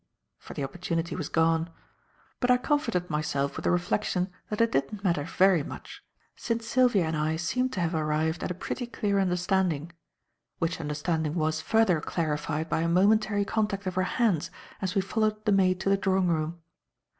for the opportunity was gone; but I comforted myself with the reflection that it didn't matter very much, since Sylvia and I seemed to have arrived at a pretty clear understanding; which understanding was further clarified by a momentary contact of our hands as we followed the maid to the drawing room.